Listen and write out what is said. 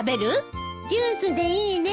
ジュースでいいです。